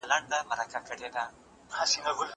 هغه وويل چي لوبه ښه ده!